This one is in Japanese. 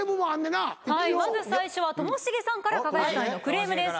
はいまず最初はともしげさんからかが屋さんへのクレームです。